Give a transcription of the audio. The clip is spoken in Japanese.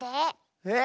えっ⁉